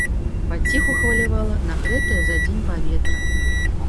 Паціху хвалявала нагрэтае за дзень паветра.